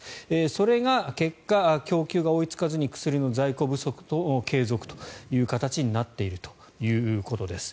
それが結果、供給が追いつかずに薬の在庫不足が継続という形になっているということです。